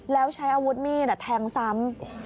แล้วใช้อาวุธมีดแทงซ้ำ